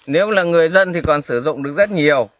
nếu là người dân thì còn sử dụng được rất nhiều